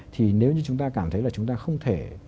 thì nếu như chúng ta cảm thấy là chúng ta không thể